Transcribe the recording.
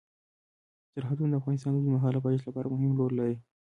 سرحدونه د افغانستان د اوږدمهاله پایښت لپاره مهم رول لري.